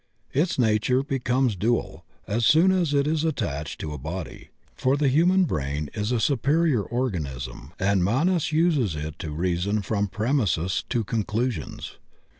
Its nature becomes dual as soon as it is attached to a body. For the human brain is a superior organism and Manas uses it to reason from premises to con clusions.